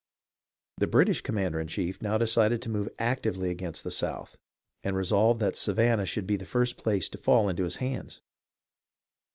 The British commander in chief now decided to move actively against the South, and resolved that Savannah should be the first place to fall into his hands.